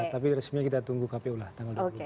tapi resminya kita tunggu kpu lah tanggal dua puluh empat